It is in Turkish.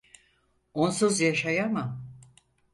Onsuz yaşayamam.